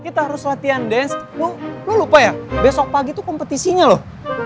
kita harus latihan dance woh lu lupa ya besok pagi tuh kompetisinya loh